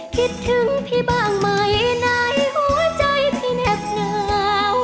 คิดถึงพี่บ้างไหมในหัวใจพี่เหน็บเหงา